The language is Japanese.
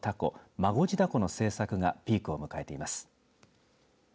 孫次凧の制作がピークを迎えています。